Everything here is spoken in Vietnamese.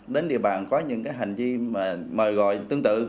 đến địa bàn có những hành vi mà mời gọi tương tự